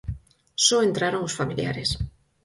Só entraron os familiares.